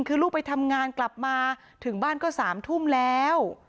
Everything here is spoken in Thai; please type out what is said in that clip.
คือลูกไปทำงานกลับมาถึงบ้านก็๓ทุ่มแล้ว